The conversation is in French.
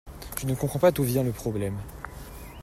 Je ne comprends pas d'où vient le problème.